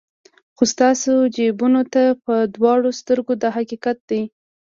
خو ستاسو جیبونو ته په دواړو سترګو دا حقیقت دی.